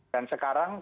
dan sekarang ketika